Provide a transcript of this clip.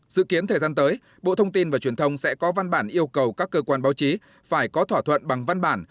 dự kiến thời gian tới bộ thông tin và truyền thông sẽ có văn bản yêu cầu các cơ quan báo chí phải có thỏa thuận bằng văn bản